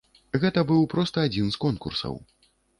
Гэта быў проста адзін з конкурсаў.